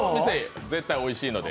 絶対おいしいので。